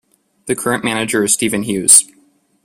The current manager is Stephen Hughes.